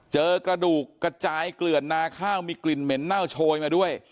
เจอกระดูกกระจายเกลื่อนนาข้าวมีกลิ่นเหม็นเน่าโชยมาด้วย